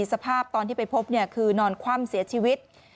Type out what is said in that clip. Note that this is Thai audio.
สภาพตอนที่ไปพบคือนอนคว่ำเสียชีวิต